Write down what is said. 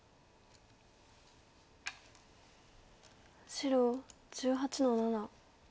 白１８の七。